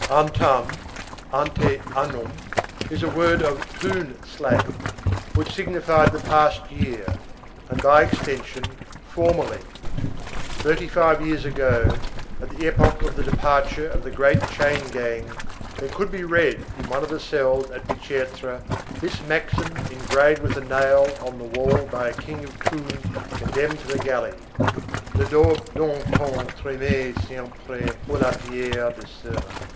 Antan—ante annum—is a word of Thunes slang, which signified the past year, and by extension, formerly. Thirty five years ago, at the epoch of the departure of the great chain gang, there could be read in one of the cells at Bicêtre, this maxim engraved with a nail on the wall by a king of Thunes condemned to the galleys: Les dabs d'antan trimaient siempre pour la pierre du Coësre.